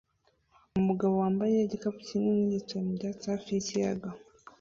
Umugabo wambaye igikapu kinini yicaye mu byatsi hafi yikiyaga